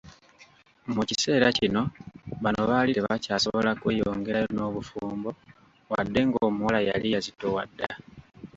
Mu kiseera kino bano baali tebakyasobola kweyongerayo n'obufumbo wadde ng'omuwala yali yazitowa dda.